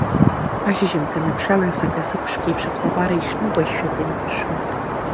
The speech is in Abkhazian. Ашьыжьымҭан аԥшалас акасы ԥшқеиԥш аԥсабара ишнықәшәшәац инықәшәшәон.